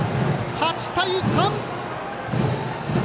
８対３。